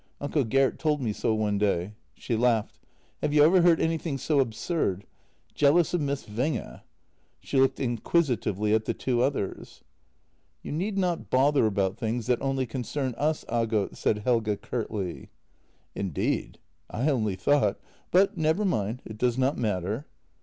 Uncle Gert told me so one day." She laughed. "Have you ever heard anything so absurd! Jealous of Miss Winge." She looked inquisitively at the two others. " You need not bother about things that only concern us, Aagot," said Helge curtly. "Indeed? I only thought — but never mind; it does not matter."